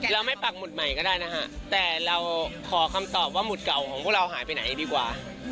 เราไม่ปักหมุดใหม่ก็ได้นะฮะแต่เราขอคำตอบว่าหมุดเก่าของพวกเราหายไปไหนดีกว่า